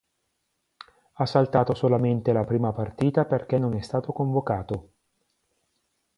Ha saltato solamente la prima partita perché non è stato convocato.